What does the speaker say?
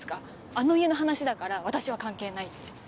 あの家の話だから私は関係ないって。